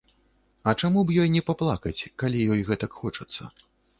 А чаму б ёй не паплакаць, калі ёй гэтак хочацца.